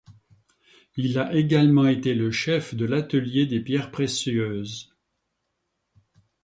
Il a également été le chef de l'atelier des pierres précieuses.